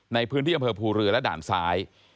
ในพื้นที่อำเภอภูเรือและด่านซ้าย